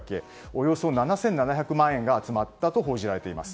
およそ７７００万円が集まったと報じられています。